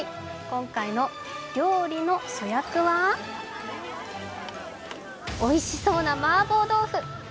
今回の料理の主役はおいしそうな麻婆豆腐。